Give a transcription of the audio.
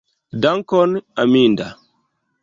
Dankon, Aminda!